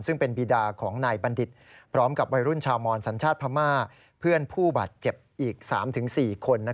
ซึ่งเป็นบีดาของนายบัณฑิตพร้อมกับวัยรุ่นชาวมอนสัญชาติพม่าเพื่อนผู้บาดเจ็บอีก๓๔คน